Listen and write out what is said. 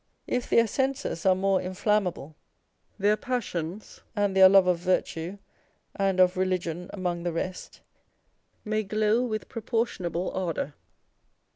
If their senses are more in flammable, their passions (and their love of virtue and of religion among the rest) may glow with proportionable ardour.